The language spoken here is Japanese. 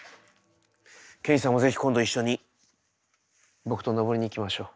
刑事さんも是非今度一緒に僕と登りに行きましょう。